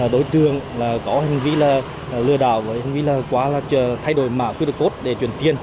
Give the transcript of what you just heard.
đối tượng có hành vi lừa đảo hành vi quá là thay đổi mã qr code để chuyển tiền